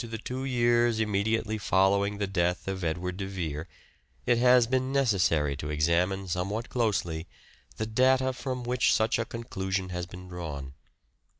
^e two years immediately following the death of Edward de Vere it has been been necessary to examine somewhat closely the data from which such a conclusion has been drawn.